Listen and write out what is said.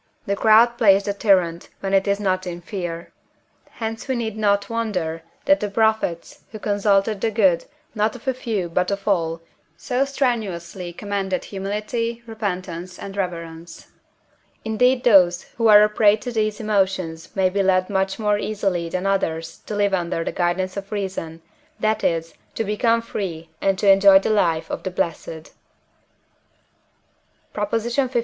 The crowd plays the tyrant, when it is not in fear; hence we need not wonder that the prophets, who consulted the good, not of a few, but of all, so strenuously commended Humility, Repentance, and Reverence. Indeed those who are a prey to these emotions may be led much more easily than others to live under the guidance of reason, that is, to become free and to enjoy the life of the blessed. PROP. LV.